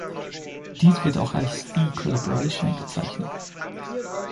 Dies wird auch als E-Collaboration bezeichnet.